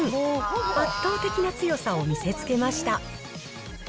圧倒的な強さを見せつけました。